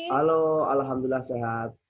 halo alhamdulillah sehat